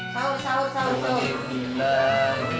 masa depan yang cemerlang